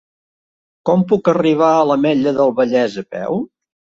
Com puc arribar a l'Ametlla del Vallès a peu?